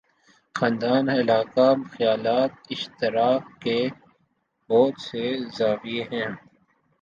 خاندان، علاقہ، خیالات اشتراک کے بہت سے زاویے ہیں۔